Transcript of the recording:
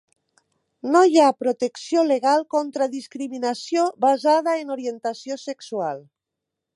No hi ha protecció legal contra discriminació basada en orientació sexual.